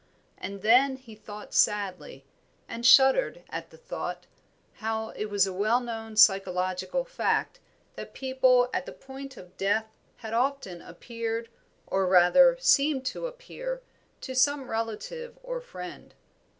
And then he thought sadly, and shuddered at the thought, how it was a well known psychological fact that people at the point of death had often appeared, or rather seemed to appear, to some relative or friend.